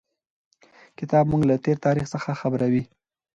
کتاب موږ له تېر تاریخ څخه خبروي.